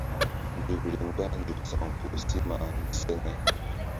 Nzukri mgba nzuk sa̧wkpuh si ma ndiseŋe.